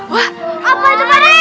wah apa itu padahal